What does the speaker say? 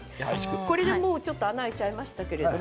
これでちょっと穴が開いてしまいましたけれどもね。